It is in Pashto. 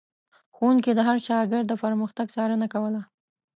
ښوونکي د هر شاګرد پرمختګ څارنه کوله.